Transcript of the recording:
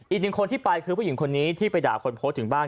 อีกหนึ่งคนที่ไปคือผู้หญิงคนนี้ที่ไปด่าคนโพสต์ถึงบ้าน